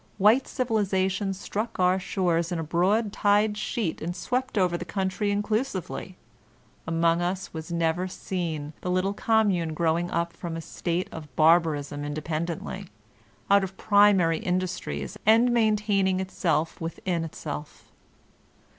White Civilization struck our shores in a broad tide sheet and swept over the country inclusively ; among us was never seen the little commtine growing up from a state of barbarism independently, out of primary industries, and maintaining itself within itself.